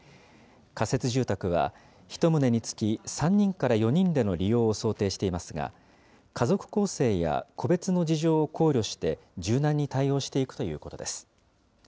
仮設住宅は、１棟につき３人から４人での利用を想定していますが、家族構成や個別の事情を考慮して、柔軟に対応していくということです。